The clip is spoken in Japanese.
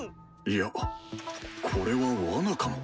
いやこれはわなかも。